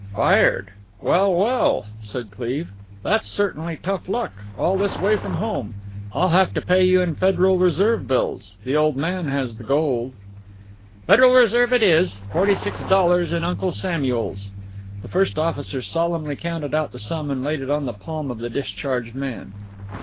"Fired? Well, well," said Cleve, "that's certainly tough luck all this way from home. I'll have to pay you in Federal Reserve bills. The old man has the gold." "Federal Reserve it is. Forty six dollars in Uncle Samuels." The first officer solemnly counted out the sum and laid it on the palm of the discharged man.